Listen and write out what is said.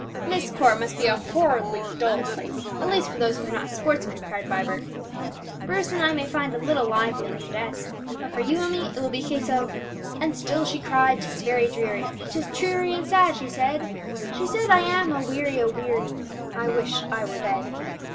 "Myst Court must be a horridly dull place, at least for those who are not sportsmen!" cried Vibert. "Bruce and I may find a little liveliness at S ; but for you, Emmie, it will be a case of 'And still she cried, "'Tis very dreary 'Tis dreary and sad," she said; She said, "I am aweary, aweary; I wish I were dead!"'"